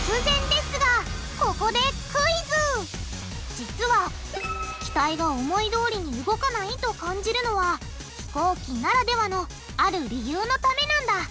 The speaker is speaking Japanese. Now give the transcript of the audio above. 実は機体が思いどおりに動かないと感じるのは飛行機ならではのある理由のためなんだ。